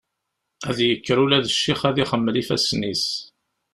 Ad yekker ula d ccix ad ixemmel ifassen-is.